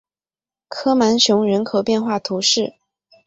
科芒雄人口变化图示